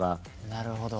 なるほど。